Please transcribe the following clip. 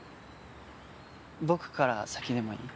僕から先でもいい？